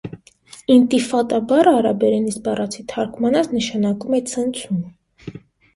«Ինտիֆադա» բառը արաբերենից բառացի թարգմանած նշանակում է «ցնցում»։